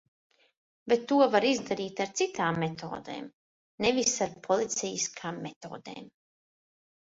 Bet to var izdarīt ar citām metodēm, nevis ar policejiskām metodēm.